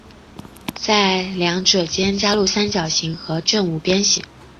在两者间加入三角形和正五边形。